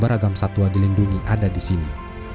barang barang satwa dilindungi ada di sini